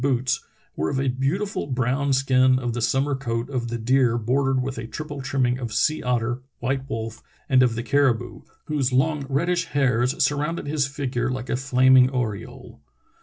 302 True Tales of Arctic Heroism boots were of a beautiful brown skin of the summer coat of the deer bordered with a triple trimming of sea otter, white wolf, and of the caribou, whose long reddish hairs surrounded his figure like a flaming aureole.